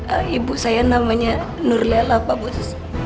ehm ibu saya namanya nurlela pak bos